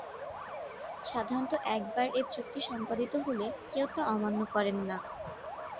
সাধারণত একবার এ চুক্তি সস্পাদিত হলে কেউ তা অমান্য করেন না।